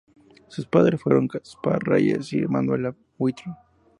Sus padres fueron Gaspar Reyes y Manuela Buitrón.